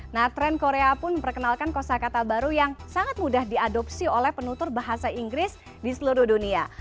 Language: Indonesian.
nah tren korea pun memperkenalkan kosa kata baru yang sangat mudah diadopsi oleh penutur bahasa inggris di seluruh dunia